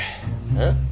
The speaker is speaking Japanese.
えっ？